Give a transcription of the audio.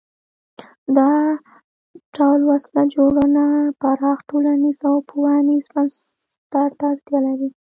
دا ډول وسله جوړونه پراخ ټولنیز او پوهنیز بستر ته اړتیا لري.